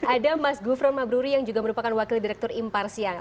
ada mas gufron mabruri yang juga merupakan wakil direktur imparsial